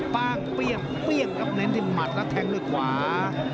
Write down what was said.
ป้างเปรี้ยงเปรี้ยงกับเม้นที่หมัดแล้วแข่งด้วยขวา